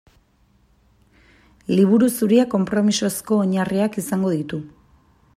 Liburu Zuriak konpromisozko oinarriak izango ditu.